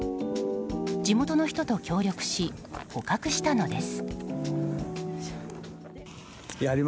地元の人と協力し捕獲したのです。